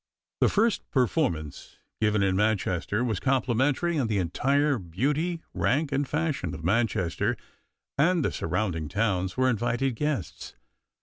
The first performance given in Manchester was complimentary, and the entire beauty, rank, and fashion of Manchester and the surrounding towns were invited guests.